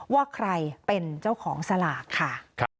ว่าใครเป็นเจ้าของสลากค่ะ